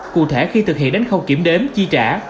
cụ thể khi thực hiện đến khâu kiểm đếm chi trả